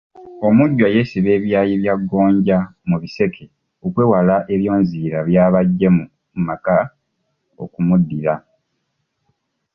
Omujjwa yeesiba ebyayi bya gonja mu biseke okwewala ebyonziira by’aba ajje mu maka okumuddira.